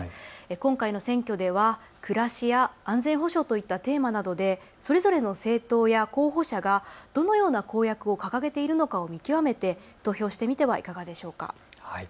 今回の選挙では暮らしや安全保障といったテーマなどでそれぞれの政党や候補者がどのような公約を掲げているのかを見極めて投票してみてはいかがでしょうか。